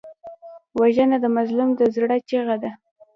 وژنه د مظلوم د زړه چیغه ده